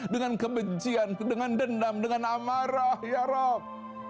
dengan kebencian dengan dendam dengan amarah ya rab